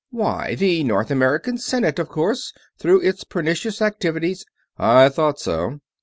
"Why, the North American Senate, of course, through its Pernicious Activities...." "I thought so."